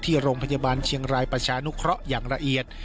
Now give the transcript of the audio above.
โรงพยาบาลเชียงรายประชานุเคราะห์อย่างละเอียด